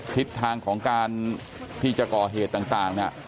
ทิศทางของการที่จะก่อเหตุต่างเนี่ย